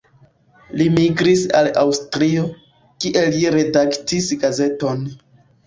Li migris al Aŭstrio, kie li redaktis gazeton.